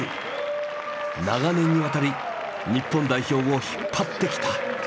長年にわたり日本代表を引っ張ってきた。